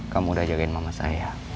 kamu udah jagain mama saya